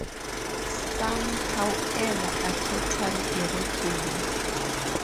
Some, however, are totally irregular.